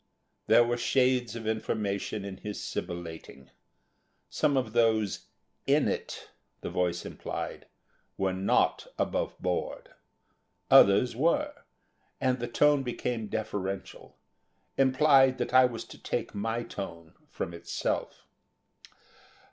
There were shades of intonation in his sibillating. Some of those "in it," the voice implied, were not above board; others were, and the tone became deferential, implied that I was to take my tone from itself.